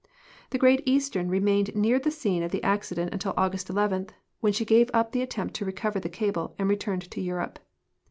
The Great Eastern remained near the scene of the accident until August 11, when she gave up the attempt to recover the cable and returned to Europe.